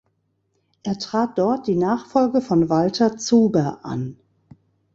Er trat dort die Nachfolge von Walter Zuber an.